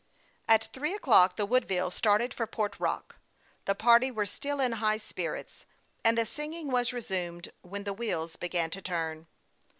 At three o'clock the W T oodville started for Port Rock. The party were still in high spirits, and the singing was resumed when the wheels began to turn.